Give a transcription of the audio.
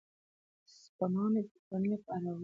سپما مې د کورنۍ لپاره وکړه.